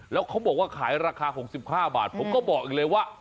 แล้วเขาบอกว่าขายราคา๖๕บาทผมก็บอกอีกเลยว่า